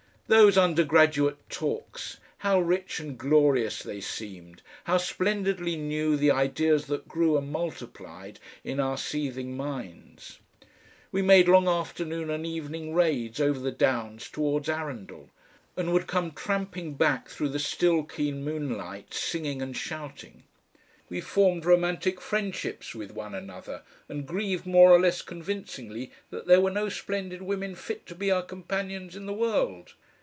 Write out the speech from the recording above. Those undergraduate talks! how rich and glorious they seemed, how splendidly new the ideas that grew and multiplied in our seething minds! We made long afternoon and evening raids over the Downs towards Arundel, and would come tramping back through the still keen moonlight singing and shouting. We formed romantic friendships with one another, and grieved more or less convincingly that there were no splendid women fit to be our companions in the world.